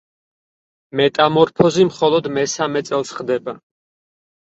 მეტამორფოზი მხოლოდ მესამე წელს ხდება.